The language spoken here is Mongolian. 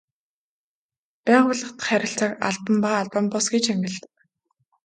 Байгууллага дахь харилцааг албан ба албан бус гэж ангилдаг.